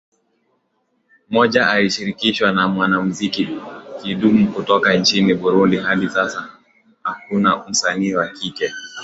moja akishirikishwa na mwanamuziki Kidumu kutoka nchini Burundi Hadi sasa hakuna msanii wa kike